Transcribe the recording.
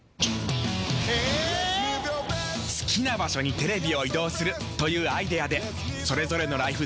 好きな場所にテレビを移動するというアイデアでそれぞれのライフスタイルはもっと自由になる。